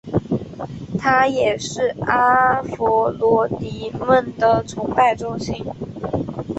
它也是阿佛罗狄忒的崇拜中心。